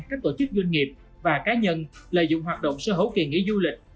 các tổ chức doanh nghiệp và cá nhân lợi dụng hoạt động sở hữu kỳ nghỉ du lịch